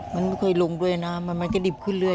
มันไม่เคยลงด้วยนะมันจะดิบขึ้นเรื่อย